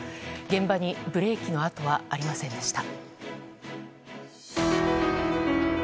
現場にブレーキの跡はありませんでした。